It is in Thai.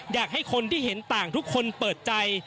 อยากให้คนที่เห็นต่างทุกคนเปิดใจ